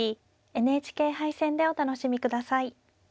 ＮＨＫ杯戦でお楽しみ下さい。